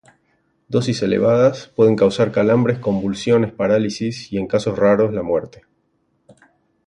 Dosis elevadas pueden causar calambres, convulsiones, parálisis y en casos raros la muerte.